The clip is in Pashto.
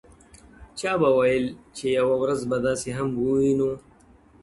چا به ویل چي یوه ورځ به داسي هم ووینو-